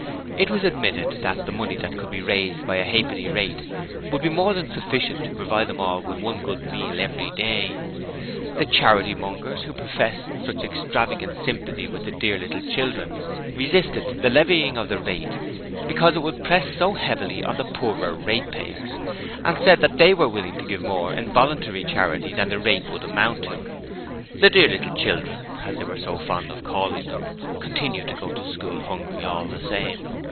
It was admitted that the money that could be raised by a halfpenny rate would be more than sufficient to provide them all with one good meal every day. The charity mongers who professed such extravagant sympathy with the 'dear little children' resisted the levying of the rate 'because it would press so heavily on the poorer ratepayers', and said that they were willing to give more in voluntary charity than the rate would amount to: but, the 'dear little children' as they were so fond of calling them continued to go to school hungry all the same.